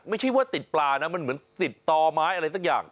ไม่ใช่ว่าติดปลานะมันเหมือนติดต่อไม้อะไรสักอย่าง